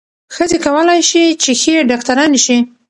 ښځې کولای شي چې ښې ډاکټرانې شي.